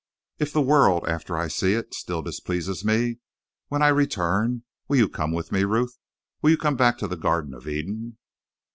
"If the world, after I see it, still displeases me, when I return, will you come with me, Ruth? Will you come back to the Garden of Eden?"